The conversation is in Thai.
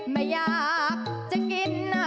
ไม่อยากจะกินนะ